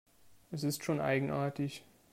Es ist schon eigenartig.